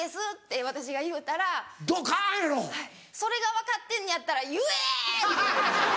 「それが分かってんねやったら言え！」って言われて。